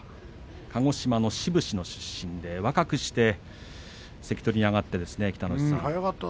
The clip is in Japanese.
鹿児島の志布志市の出身で若くして関取に上がって。